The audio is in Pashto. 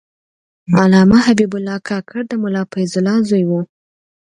علامه حبیب الله کاکړ د ملا فیض الله زوی و.